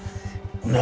何？